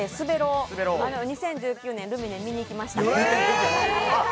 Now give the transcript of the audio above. ２０１９年のルミネ、見に行きました。